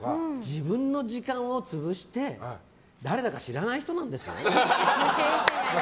自分の時間を潰して誰だか知らない人なんですよ？